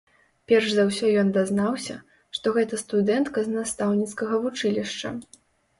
Перш за ўсё ён дазнаўся, што гэта студэнтка з настаўніцкага вучылішча.